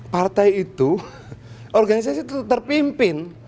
partai itu organisasi terpimpin